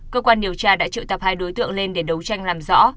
cơ quan điều tra đã triệu tập hai đối tượng lên để đấu tranh làm rõ